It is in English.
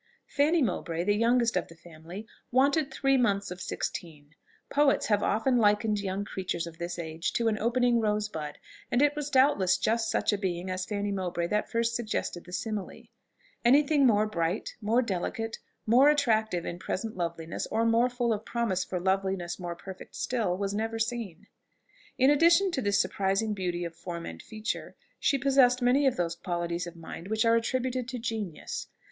Fanny Mowbray, the youngest of the family, wanted three months of sixteen. Poets have often likened young creatures of this age to an opening rose bud, and it was doubtless just such a being as Fanny Mowbray that first suggested the simile. Any thing more bright, more delicate, more attractive in present loveliness, or more full of promise for loveliness more perfect still, was never seen. In addition to this surprising beauty of form and feature, she possessed many of those qualities of mind which are attributed to genius.